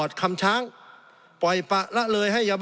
สงบจนจะตายหมดแล้วครับ